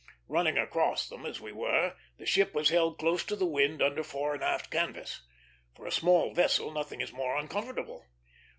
Running across them, as we were, the ship was held close to the wind under fore and aft canvas. For a small vessel nothing is more uncomfortable.